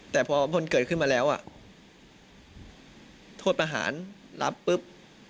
แต่พอมันเกิดขึ้นมาแล้วโทษประหารรับปุ๊บ